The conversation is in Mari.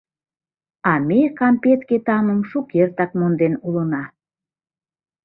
А ме кампетке тамым шукертак монден улына.